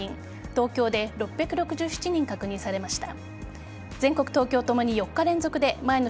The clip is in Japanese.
東京で６６７人確認されました。